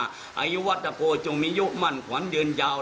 อยู่วัตตโกมีมาตรตัวมีไปต่อเพอร์เดียเริ่มมีปล่อยอายุวัตตโกมีอยู่มั่นขวานเดือนยาว